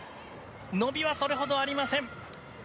伸びはそれほどありません。